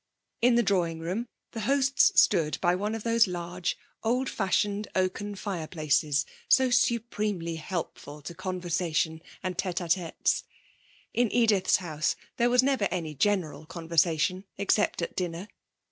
In the drawing room the hosts stood by one of those large, old fashioned oaken fireplaces so supremely helpful to conversation and tête à têtes. In Edith's house there was never any general conversation except at dinner.